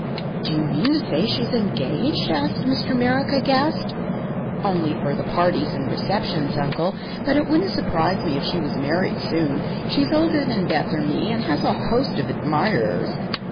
"Do you mean to say she's engaged?" asked Mr. Merrick, aghast. "Only for the parties and receptions, Uncle. But it wouldn't surprise me if she was married soon. She's older than Beth or me, and has a host of admirers."